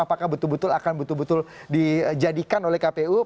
apakah betul betul akan betul betul dijadikan oleh kpu